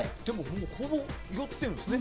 ほぼ寄ってるんですね